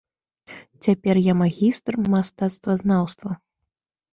Цяпер я магістр мастацтвазнаўства.